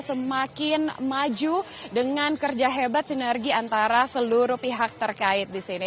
semakin maju dengan kerja hebat sinergi antara seluruh pihak terkait di sini